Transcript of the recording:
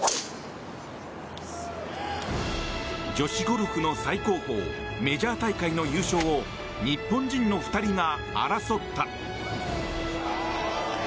女子ゴルフの最高峰メジャー大会の優勝を日本人の２人が争った。